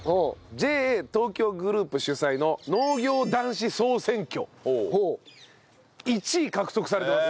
ＪＡ東京グループ主催の農業男子×総選挙１位獲得されてます。